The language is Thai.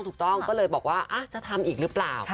ถูกต้องก็เลยบอกว่าจะทำอีกหรือเปล่า